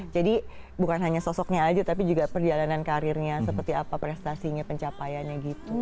jadi bukan hanya sosoknya aja tapi juga perjalanan karirnya seperti apa prestasinya pencapaiannya gitu